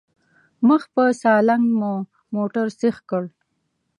مخ په سالنګ مو موټر سيخ کړ.